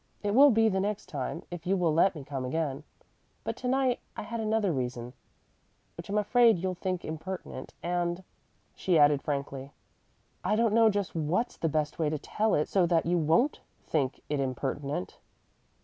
"It will be the next time if you will let me come again; but to night I had another reason, which I'm afraid you'll think impertinent and," she added frankly, "I don't know just what's the best way to tell it so that you won't think it impertinent."